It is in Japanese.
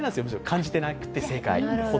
感じてなくて正解。